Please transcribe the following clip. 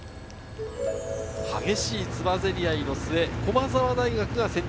激しいつばぜり合いの末、駒澤大学が先着。